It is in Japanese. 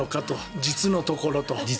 実のところと。